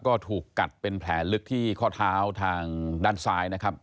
ก็ถูกกัดเป็นแผลลึกที่ข้อเท้าทางด้านซ้ายนะครับ